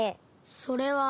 それは。